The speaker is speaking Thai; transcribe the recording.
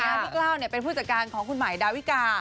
พี่กล้าวเป็นผู้จัดการของคุณใหม่ดาวิกา